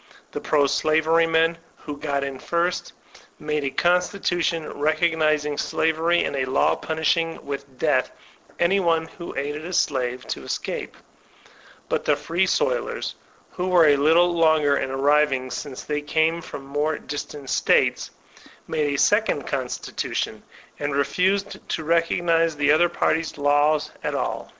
The pro shvery men, who got in first, made a constitution recognizing slavery, and a law punishing with death any one who aided a slave to escape ; but the Free Soilers, who were a little longer in arriving, since they came from more distant States, made a second constitution, and refused to recognize the other party's laws at all.